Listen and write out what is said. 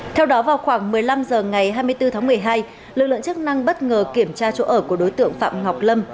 theo đó vào khoảng một mươi năm h ngày hai mươi bốn tháng một mươi hai lực lượng chức năng bất ngờ kiểm tra chỗ ở của đối tượng phạm ngọc lâm